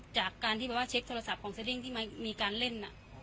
จากการที่เช็คโทรศัพท์ของเซอร์ดิ้งที่มีการเล่น